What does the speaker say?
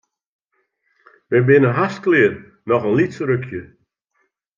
Wy binne hast klear, noch in lyts rukje.